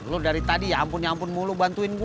lu dari tadi ya ampun ampun mulu bantuin gue